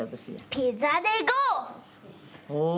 ピザでゴー！